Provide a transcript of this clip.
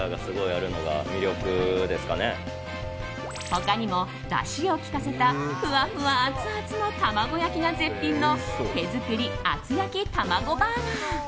他にも、だしを利かせたふわふわアツアツの卵焼きが絶品の手作り厚焼きたまごバーガー。